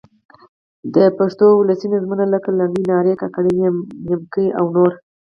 د پښتو اولسي نظمونه؛ لکه: لنډۍ، نارې، کاکړۍ، نیمکۍ او نور.